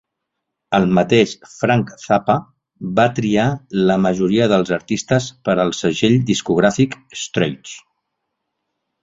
El mateix Frank Zappa va triar la majoria dels artistes per al segell discogràfic Straight.